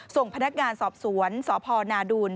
ส่งพนักงานสอบสวนสพนาดูล